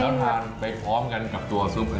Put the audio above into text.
ข้าวตำไปพร้อมกันกับตัวซุปกิม